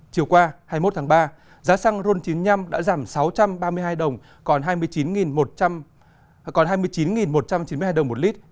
chiều qua hai mươi một tháng ba giá xăng ron chín mươi năm đã giảm sáu trăm ba mươi hai đồng còn hai mươi chín một trăm chín mươi hai đồng một lít